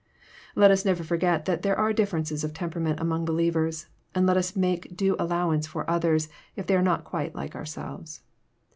Let us never forget that there are differences of temperament among believers, and let us make due allowance for others if they are not quite like ourselves.